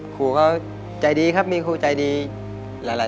ครูก็ใจดีครับมีครูใจดีหลาย